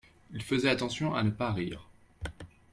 Il faisait attention à ne pas rire.